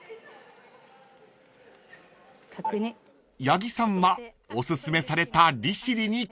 ［八木さんはおすすめされた利尻に決定］